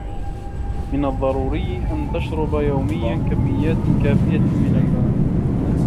من الضروري أن تشرب يوميًا كميات كافية من الماء